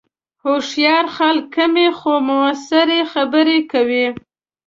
هوښیار خلک کمې، خو مؤثرې خبرې کوي